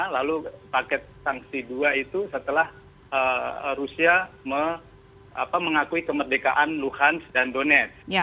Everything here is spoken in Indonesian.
lalu paket sanksi dua itu setelah rusia mengakui kemerdekaan luhans dan donet